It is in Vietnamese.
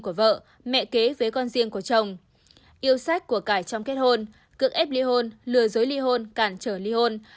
cưỡng ép li hôn lừa dối li hôn cản trở li hôn